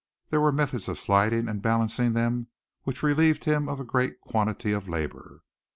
There were methods of sliding and balancing them which relieved him of a great quantity of labor.